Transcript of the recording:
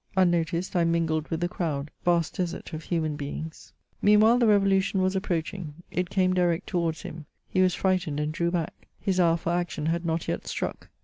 Un noticed, I mingled with the crowd — ^vast desert of human beings." Meanwhile, the Revolution was approaching. It came direct towards him. He was frightened, and drew back. His hour for action had not yet struck.